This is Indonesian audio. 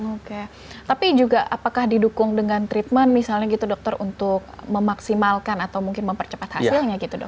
oke tapi juga apakah didukung dengan treatment misalnya gitu dokter untuk memaksimalkan atau mungkin mempercepat hasilnya gitu dok